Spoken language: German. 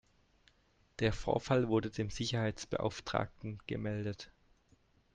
Der Vorfall wurde dem Sicherheitsbeauftragten gemeldet.